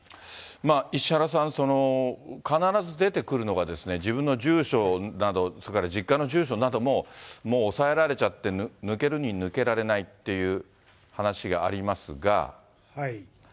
石原さん、必ず出てくるのが、自分の住所など、それから実家の住所などももう押さえられちゃって、抜けるに抜けられないっていう話がありますが。